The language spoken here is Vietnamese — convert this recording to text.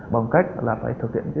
bằng cách là phải thực hiện